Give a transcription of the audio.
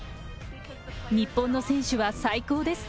日本の選手は最高です。